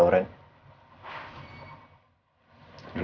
aku ingin pergi